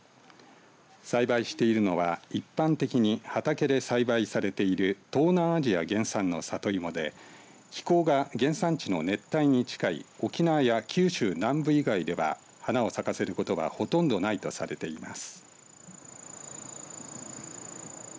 栽培しているのは一般的に畑で栽培されている東南アジア原産の里芋で気候が原産地の熱帯に近い沖縄や九州南部以外では花を咲かせることはほとんどないとされています。